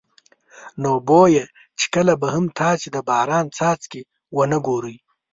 نو بویه چې کله به هم تاسې د باران څاڅکي ونه ګورئ.